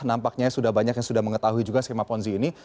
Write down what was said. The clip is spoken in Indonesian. nampaknya sudah banyak yang sudah mengetahui juga skema ponzi ini